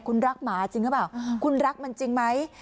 คุณรักหมาจริงหรือเปล่าคุณรักมันจริงไหม